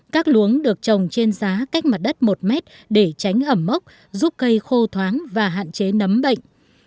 các luống được trồng trên giá cách mặt đất một mét để tránh ẩm mốc giúp cây khô thoáng và hạn chế nấm bệnh